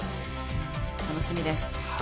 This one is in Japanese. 楽しみです。